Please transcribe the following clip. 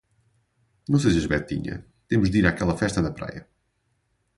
Não sejas betinha, temos de ir àquela festa na praia.